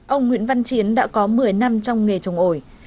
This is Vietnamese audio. ông nguyễn văn chiến đã có một mươi năm trong nghề trồng ổi